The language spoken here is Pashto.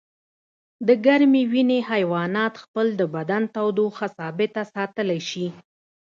د ګرمې وینې حیوانات خپل د بدن تودوخه ثابته ساتلی شي